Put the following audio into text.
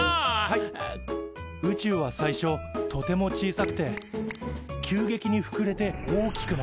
はい宇宙は最初とても小さくて急激にふくれて大きくなった。